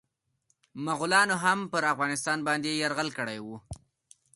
مغولانو هم پرافغانستان باندي يرغل کړی و.